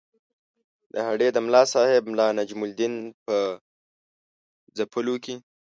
د هډې د ملاصاحب ملا نجم الدین په ځپلو کې.